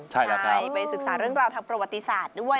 ใช่ไปศึกษาเรื่องราวทางประวัติศาสตร์ด้วย